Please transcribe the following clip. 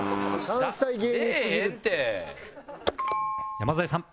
山添さん